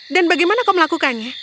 dan bagaimana kau melakukannya